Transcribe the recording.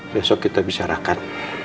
besok kita bicarakan